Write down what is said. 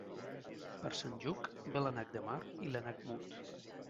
Per Sant Lluc ve l'ànec de mar i l'ànec mut.